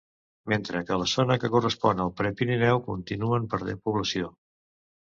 Mentre que la zona que correspon al Prepirineu continuen perdent població.